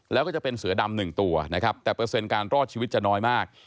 แล้วก็จะเป็นเสือดำ๑ตัวนะครับแต่เปอร์เซ็นต์การรอดชีวิตจะน้อยมาก